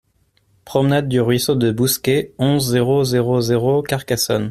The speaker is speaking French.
Promenade du Ruisseau de Bousquet, onze, zéro zéro zéro Carcassonne